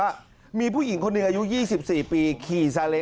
อาทิตย์๒๕อาทิตย์